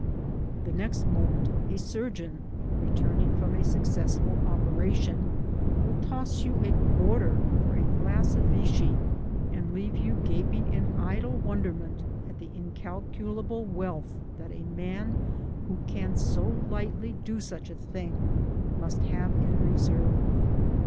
The next moment a surgeon, returning from a successful operation, will toss you a quarter for a glass of vichy, and leave you gaping in idle wonderment at the incalculable wealth that a man who can so lightly do such a thing must have in reserve.